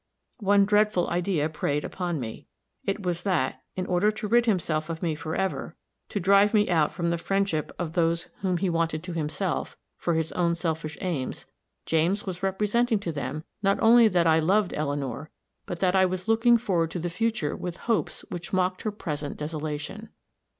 One dreadful idea preyed upon me. It was, that, in order to rid himself of me for ever, to drive me out from the friendship of those whom he wanted to himself, for his own selfish aims, James was representing to them not only that I loved Eleanor, but that I was looking forward to the future with hopes which mocked her present desolation.